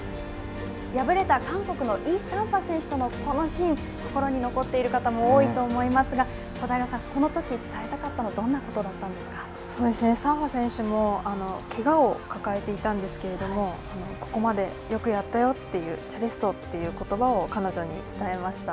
敗れた韓国のイ・サンファ選手とのこのシーン心に残っている方も多いと思いますが小平さん、このとき伝えたかったのはサンファ選手もけがを抱えていたんですけれどもここまでよくやったよというチェレッソということばを彼女に伝えました。